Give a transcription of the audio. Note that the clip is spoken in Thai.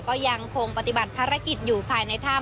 ก็ยังคงปฏิบัติภารกิจอยู่ภายในถ้ำ